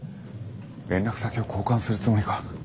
連絡先を交換するつもりか。